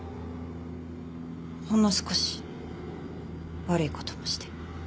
ほんの少し悪い事もして。